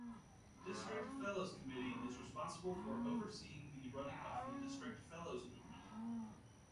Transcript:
District Fellows Committee is responsible for overseeing the running of the District Fellows movement.